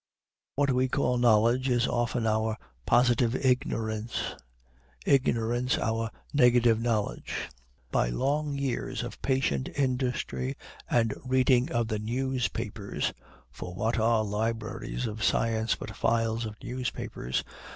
What we call knowledge is often our positive ignorance; ignorance our negative knowledge. By long years of patient industry and reading of the newspapers, for what are the libraries of science but files of newspapers?